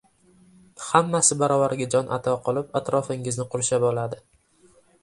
Hammasi baravariga jon ato qilib, atrofingizni qurshab oladi.